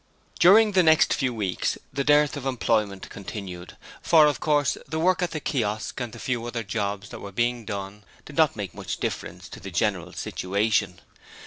During the next few weeks the dearth of employment continued, for, of course, the work at the Kiosk and the few others jobs that were being done did not make much difference to the general situation.